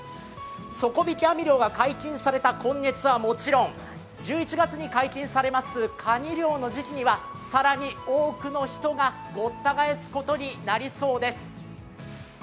底引き網漁が解禁された今月はもちろん、１１月に解禁されますかに漁の時期には、更に多くの人がごった返すことになりそうです。